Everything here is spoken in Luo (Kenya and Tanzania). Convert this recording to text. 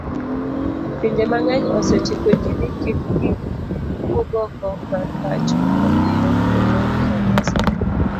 Pinje mang'eny osechiko ji ni kikgiwuogoko mar pacho omiyo oloro kanise